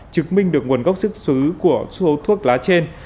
chứng minh được nguồn gốc xuất xứ của số thuốc lá trên